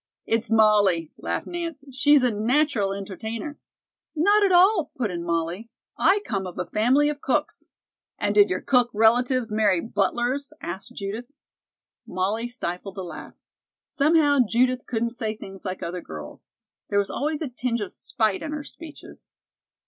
"It's Molly," laughed Nance; "she's a natural entertainer." "Not at all," put in Molly. "I come of a family of cooks." "And did your cook relatives marry butlers?" asked Judith. Molly stifled a laugh. Somehow Judith couldn't say things like other girls. There was always a tinge of spite in her speeches.